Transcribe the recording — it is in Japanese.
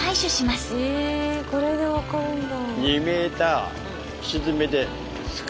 えこれで分かるんだ。